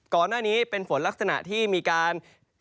ก่อนหน้านี้เป็นฝนลักษณะที่มีการ